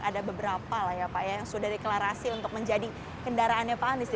ada beberapa lah ya pak ya yang sudah deklarasi untuk menjadi kendaraannya pak anies di dua ribu dua puluh empat